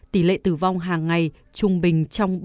tỷ lệ tử vong hàng ngày trung bình trong